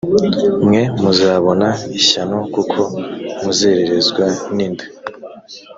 mwe muzabona ishyano kuko muzererezwa ninda